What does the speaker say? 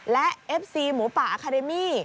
และเอฟซีหมูป่าอาคาเดมี่